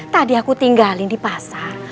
tadi aku tinggalin di pasar